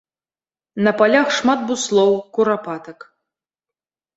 На палях шмат буслоў, курапатак.